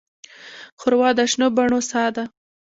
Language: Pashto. ښوروا د شنو بڼو ساه ده.